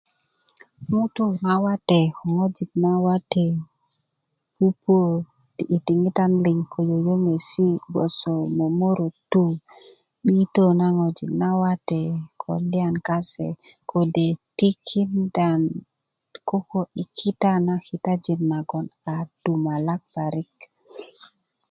ŋutuu nawate ko ŋojik nawate pupuwö i diŋita liŋ ko yeyesi' gboso mömörötu 'bitö na ŋojik nawate ko liyan kase kode' tikinda koko kitajin naŋ dudumalak parik